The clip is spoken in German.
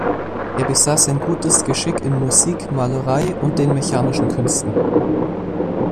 Er besaß ein gutes Geschick in Musik, Malerei und den mechanischen Künsten.